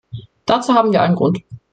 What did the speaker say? Dazu haben wir allen Grund.